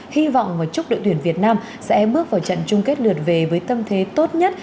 hy vọng và chúc đội tuyển việt nam sẽ bước vào trận chung kết lượt về với tâm thế tốt nhất